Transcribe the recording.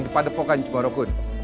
depan depokan jum'orokun